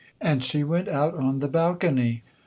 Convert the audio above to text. And she went out on the balcony.